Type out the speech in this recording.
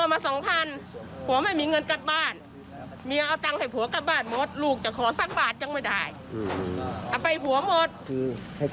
มึงเอาเงินจากไหนไม่เป็นแสนให้ลูกหลานกู